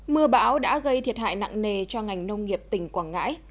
mưa bão đã gây thiệt hại nặng nề cho ngành nông nghiệp tỉnh quảng ngãi